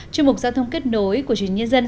chuyên mục giao thông kết nối của truyền nhân dân